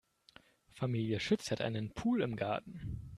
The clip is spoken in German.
Familie Schütz hat einen Pool im Garten.